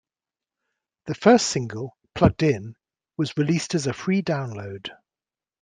The first single, "Plugged In", was released as a free download.